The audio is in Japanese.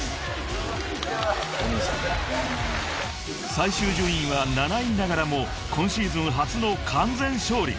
［最終順位は７位ながらも今シーズン初の完全勝利］